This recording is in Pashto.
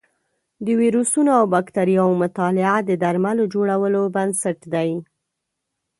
د ویروسونو او بکتریاوو مطالعه د درملو جوړولو بنسټ دی.